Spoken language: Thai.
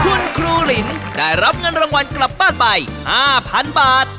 คุณครูหลินได้รับเงินรางวัลกลับบ้านไป๕๐๐๐บาท